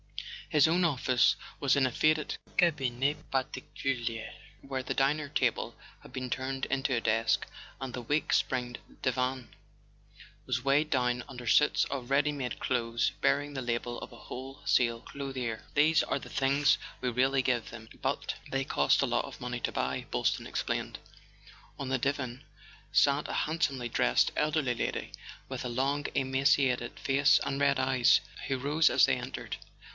His own office was in a faded cabinet particulier where the dinner table had been turned into a desk, and the weak springed divan was weighed down under suits of ready made clothes bearing the label of a wholesale clothier. "These are the things we really give them; but they cost a lot of money to buy," Boylston explained. On the divan sat a handsomely dressed elderly lady with a long emaciated face and red eyes, who rose as they entered.